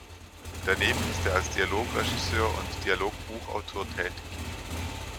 Daneben ist er als Dialogregisseur und Dialogbuchautor tätig.